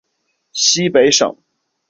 西北省